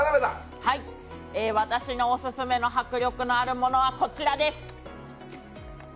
私のオススメの迫力があるものは、こちらです。